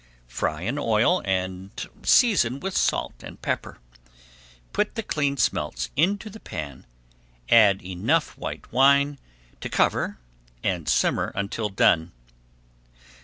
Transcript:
Fry in oil and season with salt and pepper. Put the cleaned smelts into the pan, add enough white wine to cover, and simmer until done.